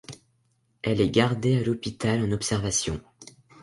Elle est gardée à l'hôpital en observation.